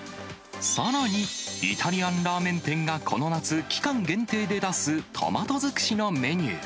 さらに、イタリアンラーメン店がこの夏、期間限定で出すトマト尽くしのメニュー。